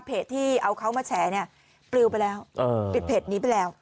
ที่เอาเขามาแฉเนี่ยปลิวไปแล้วปิดเพจนี้ไปแล้ว